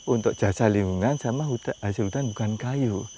untuk jasa lingkungan sama hasil hutan bukan kayu